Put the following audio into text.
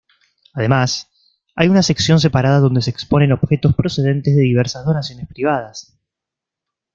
Además, hay una sección separada donde se exponen objetos procedentes de diversas donaciones privadas.